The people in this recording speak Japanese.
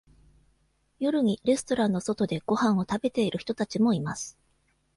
夜にレストランの外でご飯を食べている人たちもいます。